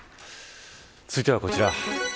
続いてはこちら。